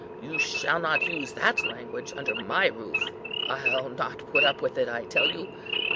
You shall not use that language under my roof. I'll not put up with it, I tell you.